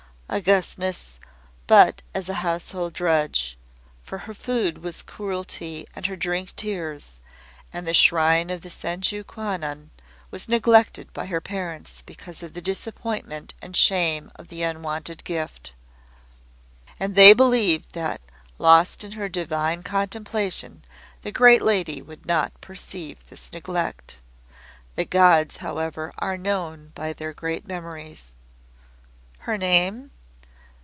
"Augustness, but as a household drudge. For her food was cruelty and her drink tears. And the shrine of the Senju Kwannon was neglected by her parents because of the disappointment and shame of the unwanted gift. And they believed that, lost in Her divine contemplation, the Great Lady would not perceive this neglect. The Gods however are known by their great memories." "Her name?"